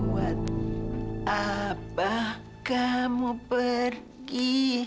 buat apa kamu pergi